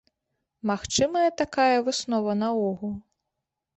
Магчымая такая выснова наогул?